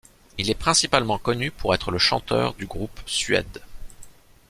Il est principalement connu pour être le chanteur du groupe Suede.